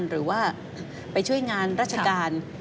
หรือว่าไปช่วยงานราชการ